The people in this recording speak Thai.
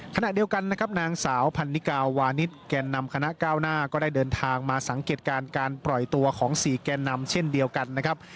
ขณะเดียวกันนะครับนางสาวพันนิกาวานิสแก่นำคณะก้าวหน้าก็ได้เดินทางมาสังเกตการณ์การปล่อยตัวของ๔แก่นำเช่นเดียวกันนะครับ